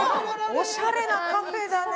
おしゃれなカフェだね。